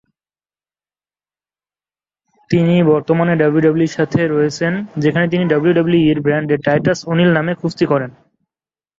তিনি বর্তমানে ডাব্লিউডাব্লিউইর সাথে সংযুক্ত রয়েছেন, যেখানে তিনি ডাব্লিউডাব্লিউই র ব্র্যান্ডে টাইটাস ও'নিল নামে কুস্তি করেন।